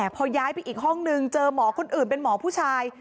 พอย้ายไปอีกห้องนึงเจอหมอคนอื่นเป็นหมอผู้ชาย